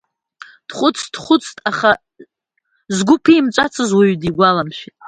Дхәыцт, дхәыцт, аха згәы ԥимҵәацыз уаҩы дигәаламшәеит.